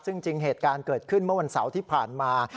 ซึ่งจริงเหตุการณ์เกิดขึ้นเมื่อวันเสาร์ที่ผ่านมา